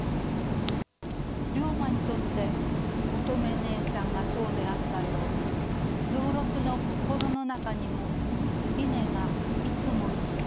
竜馬にとって乙女姉さんがそうであったように蔵六の心の中にもイネがいつも一緒にいました。